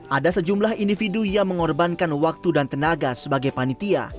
ada sejumlah individu yang mengorbankan waktu dan tenaga sebagai panitia